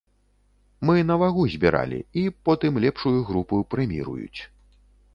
Мы на вагу збіралі, і потым лепшую групу прэміруюць.